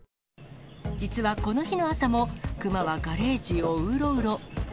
実はこの日の朝も熊はガレージをうろうろ。